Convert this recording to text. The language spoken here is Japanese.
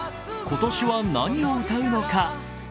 今年は何を歌うのか？